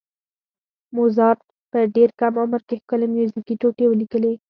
موزارټ په ډېر کم عمر کې ښکلې میوزیکي ټوټې ولیکلې.